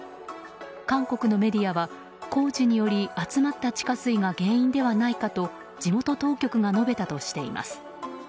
韓国のメディアは工事により集まった地下水が原因ではないかと地元当局が述べたとしています。